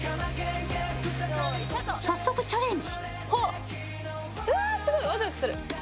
早速、チャレンジ。